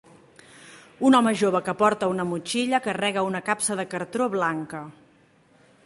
Un home jove que porta una motxilla carrega una capsa de cartó blanca.